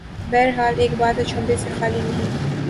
بہرحال ایک بات اچنبھے سے خالی نہیں۔